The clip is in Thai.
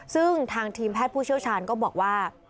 ซึ่งทางทีมแพทย์ผู้เชี่ยวชาญก็บอกว่า